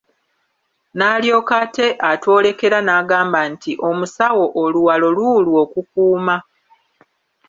N'alyoka ate atwolekera n'agamba nti omusawo oluwalo lulwo okukuuma.